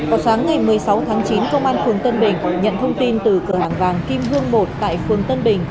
vào sáng ngày một mươi sáu tháng chín công an phường tân bình nhận thông tin từ cửa hàng vàng kim hương một tại phường tân bình